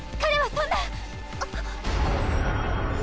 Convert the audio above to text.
そんな。